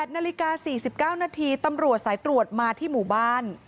นาฬิกา๔๙นาทีตำรวจสายตรวจมาที่หมู่บ้าน